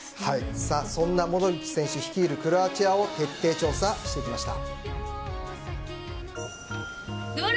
そんなモドリッチ選手率いるクロアチアを徹底調査してきました。